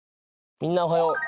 みんなおはよう。